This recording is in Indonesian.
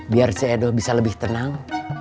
biar si edo bisa lebih tenang